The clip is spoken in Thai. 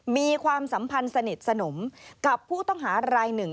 มีความสัมพันธ์สนิทสนมกับผู้ต้องหารายหนึ่ง